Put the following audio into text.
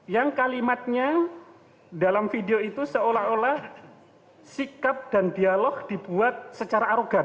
yang kalimatnya dalam video itu seolah olah sikap dan dialog dibuat oleh orang yang berpengalaman